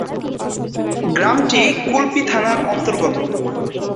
গ্রামটি কুলপি থানার অন্তর্গত।